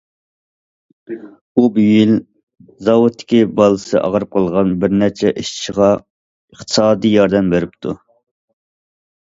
ئۇ بۇ يىل زاۋۇتتىكى بالىسى ئاغرىپ قالغان بىرنەچچە ئىشچىغا ئىقتىسادىي ياردەم بېرىپتۇ.